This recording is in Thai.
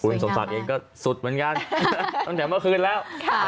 คุณสมศักดิ์เองก็สุดเหมือนกันตั้งแต่เมื่อคืนแล้ว